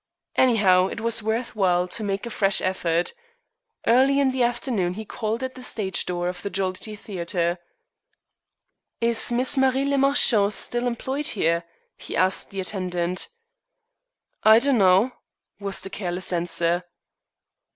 Anyhow it was worth while to make a fresh effort. Early in the afternoon he called at the stage door of the Jollity Theatre. "Is Miss Marie le Marchant still employed here?" he asked the attendant. "I dunno," was the careless answer.